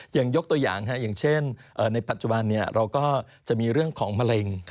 ยกตัวอย่างอย่างเช่นในปัจจุบันเราก็จะมีเรื่องของมะเร็ง